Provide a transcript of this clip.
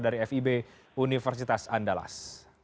dari fib universitas andalas